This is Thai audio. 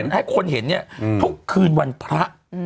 ให้คนเห็นเนี่ยทุกคืนวันพระ